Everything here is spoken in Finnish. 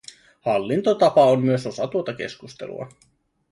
Hallintotapa on myös osa tuota keskustelua.